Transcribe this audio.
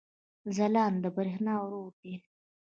ځلاند د برېښنا ورور دی